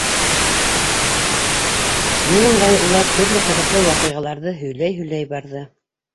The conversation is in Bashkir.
Юл ыңғайы улар төрлө ҡыҙыҡлы ваҡиғаларҙы һөйләй-һөйләй барҙы.